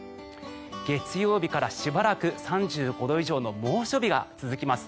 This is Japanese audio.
月曜日からしばらく３５度以上の猛暑日が続きます。